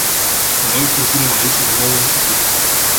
Noi propunem aici un nou început.